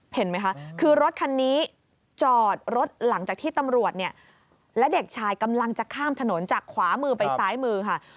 เห็นไหมคะคือรถคันนี้จอดรถหลังจากที่ตำรวจเนี่ยและเด็กชายกำลังจะข้ามถนนจากขวามือไปซ้ายมือค่ะ